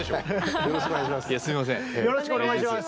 よろしくお願いします。